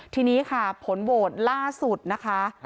ทีนี้ค่ะผลโหวตล่าสุดนะคะ